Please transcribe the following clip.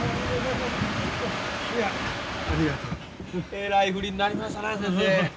えらい降りになりましたなあ先生。